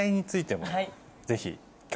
ぜひ。